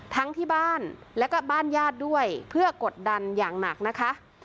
ทั้งที่บ้านแล้วก็บ้านญาติด้วยเพื่อกดดันอย่างหนักนะคะ